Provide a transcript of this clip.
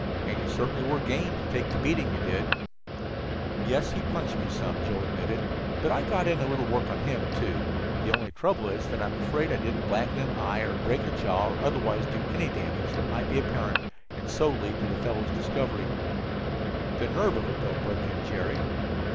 "And you certainly were game, to take the beating you did." "Yes, he punished me some," Joe admitted. "But I got in a little work on him, too. The only trouble is that I'm afraid I didn't blacken an eye, or break a jaw, or otherwise do any damage that might be apparent and so lead to the fellow's discovery." "The nerve of it, though!" broke in Jerry.